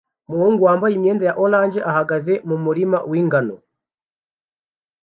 Umuhungu wambaye imyenda ya orange ahagaze mu murima w'ingano